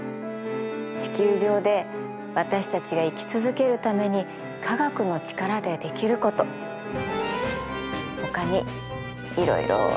地球上で私たちが生き続けるために科学の力でできることほかにいろいろあるんじゃないかな。